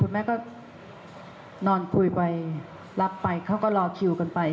แม่ก็นอนคุยไปรับไปเขาก็รอคิวกันไป